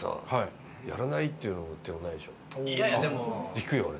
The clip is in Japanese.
いくよ俺。